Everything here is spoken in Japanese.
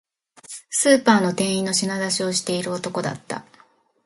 スーパーの店員、品出しをしている男だった